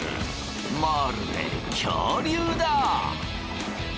まるで恐竜だ！